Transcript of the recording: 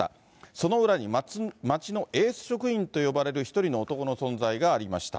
その裏に町のエース職員と呼ばれる一人の男の存在がありました。